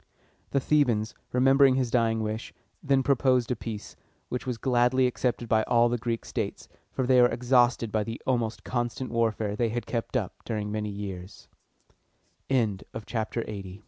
The Thebans, remembering his dying wish, then proposed a peace, which was gladly accepted by all the Greek states, for they were exhausted by the almost constant warfare they had kept up during many years. LXXXI.